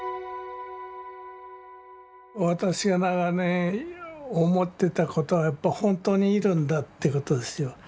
私が長年思ってたことはやっぱ本当にいるんだってことですよ。